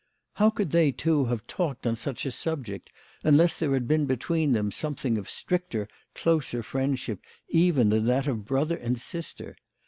How could they two have talked on such a subject unless there had been between them something of stricter, closer friendship even than that of brother and sister